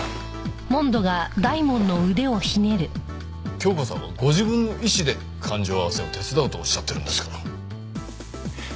杏子さんはご自分の意思で勘定合わせを手伝うとおっしゃってるんですから。